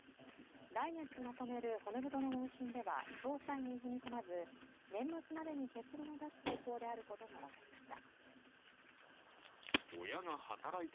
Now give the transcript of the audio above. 来月まとめる骨太の方針では詳細に踏み込まず年末までに結論を出す方向であることが分かりました。